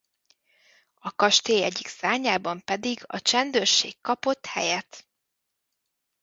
A kastély egyik szárnyában pedig a csendőrség kapott helyet.